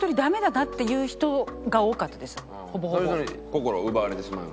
心奪われてしまう？